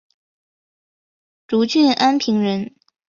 涿郡安平人。